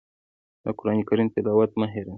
د قرآن کریم تلاوت مه هېروئ.